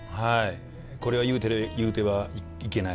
これは言うてはいけない